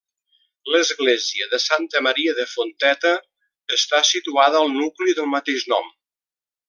L'església de Santa Maria de Fonteta està situada al nucli del mateix nom.